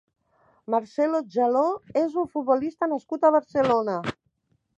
Marcelo Djaló és un futbolista nascut a Barcelona.